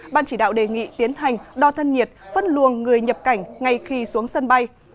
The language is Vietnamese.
ban chỉ đạo đề nghị tiến hành đo thân nhiệt phân luồng người nhập cảnh ngay khi xuống sân bay